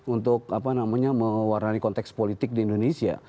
untuk apa namanya mewarnai konteks politik di indonesia